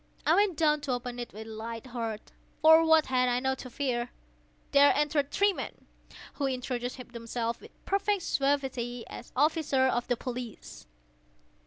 I went down to open it with a light heart,—for what had I now to fear? There entered three men, who introduced themselves, with perfect suavity, as officers of the police.